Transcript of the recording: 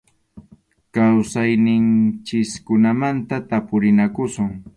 Kawsayninchikkunamanta tapurinakusun.